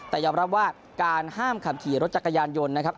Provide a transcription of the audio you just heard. แต่ยอมรับว่าการห้ามขับขี่รถจักรยานยนต์นะครับ